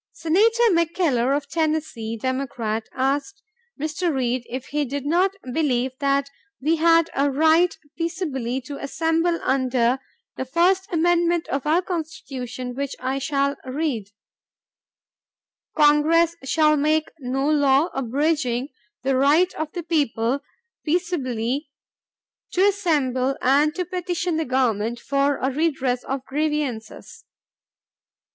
Senator McKellar of Tennessee, Democrat, asked Mr. Reed if he did not believe that we had a right peaceably to assemble under the "first amendment to our Constitution which I shall read: Congress shall make no law ... abridging ... the right of the people peaceably to assemble, and to petition the Government for a redress of grievances."